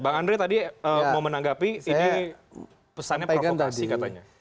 bang andre tadi mau menanggapi ini pesannya provokasi katanya